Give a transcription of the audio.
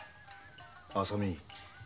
浅見。